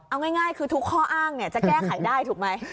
เอาง่ายคือทุกข้ออ้างจะแก้ไขได้ถูกไหม